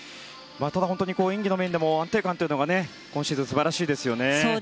本当に演技の面でも安定感が今シーズン素晴らしいですね。